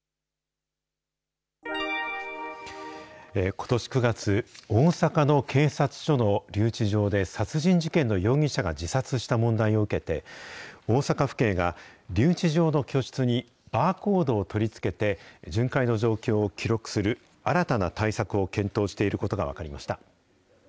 ことし９月、大阪の警察署の留置場で殺人事件の容疑者が自殺した問題を受けて、大阪府警が、留置場の居室にバーコードを取り付けて、巡回の状況を記録する新たな対策を検討していることが分かりまし